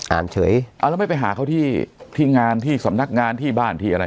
เฉยเอาแล้วไม่ไปหาเขาที่ที่งานที่สำนักงานที่บ้านที่อะไร